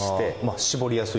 絞りやすい？